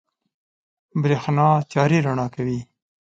برېښنا تيارې رڼا کوي.